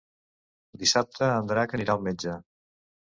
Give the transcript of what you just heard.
Dissabte en Drac anirà al metge.